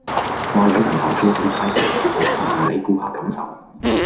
話有人投訴佢態度唔好，唔理顧客感受